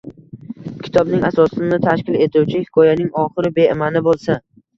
Kitobning asosini tashkil etuvchi hikoyaning oxiri bema’ni bo’lsa